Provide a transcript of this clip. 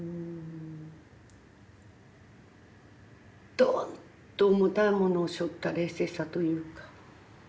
ドンッと重たいものをしょった冷静さというか。